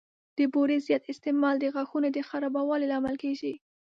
د بوري زیات استعمال د غاښونو د خرابوالي لامل کېږي.